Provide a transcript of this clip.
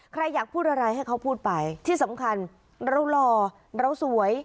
ใครอยากพูดอะไรให้เขาพูดไปที่สำคัญเราหล่อเราสวย